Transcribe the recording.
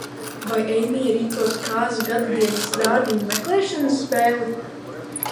Vai Eimija rīkos kāzu gadadienas dārgumu meklēšanas spēli?